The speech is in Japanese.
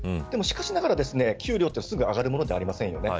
しかしながら、給料はすぐに上がるものではありません。